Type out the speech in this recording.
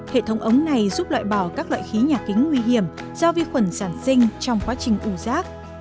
hệ thống ống này giúp loại bỏ các loại khí nhà kính nguy hiểm do vi khuẩn sản sinh trong quá trình ủ rác